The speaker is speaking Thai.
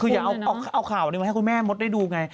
คืออย่าเอาข่าวนี้มาให้คุณแม่มดได้ดูไง